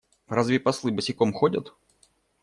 Разве послы босиком ходят?